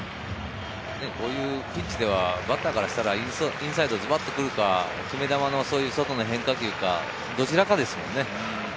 ピンチではバッターからしたら、インサイド、ズバっとくるか、決め球の外の変化球か、どちらかですもんね。